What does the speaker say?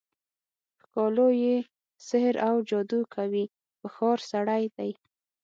ښکالو یې سحراوجادوکوي په ښار، سړی دی